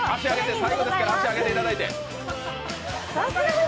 最後ですから、脚上げていただいて。